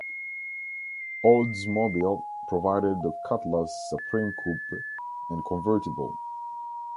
Oldsmobile provided the Cutlass Supreme coupe and convertible.